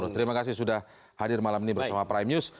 terima kasih sudah hadir malam ini bersama prime news